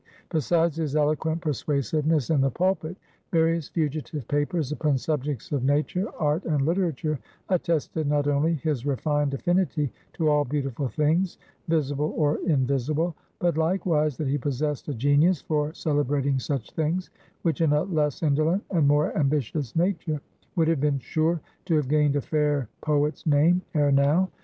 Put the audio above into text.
Besides his eloquent persuasiveness in the pulpit, various fugitive papers upon subjects of nature, art, and literature, attested not only his refined affinity to all beautiful things, visible or invisible; but likewise that he possessed a genius for celebrating such things, which in a less indolent and more ambitious nature, would have been sure to have gained a fair poet's name ere now.